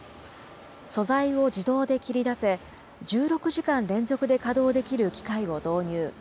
素材を自動で切り出せ、１６時間連続で稼働できる機械を導入。